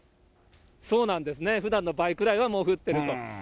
そうなんですね、ふだんの倍くらいはもう降ってると。